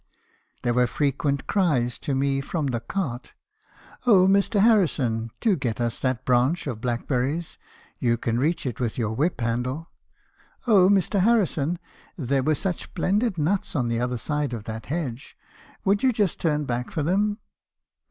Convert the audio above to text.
"There were frequent cries to me from the cart, 'Oh, Mr. Harrison ! do get us that branch of blackberries ; you can reach it with your whip handle.' —' Oh , Mr. Harrison ! there were such splendid nuts on the other side of that hedge ; would you just turn back for them?'